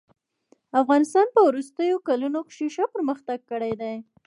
افغانستان په وروستيو کلونو کښي ښه پرمختګ کړی دئ.